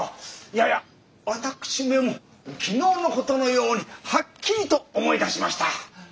いやいや私めも昨日の事のようにはっきりと思い出しました！